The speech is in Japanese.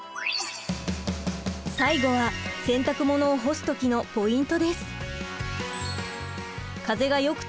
最後は洗濯物を干す時のポイントです。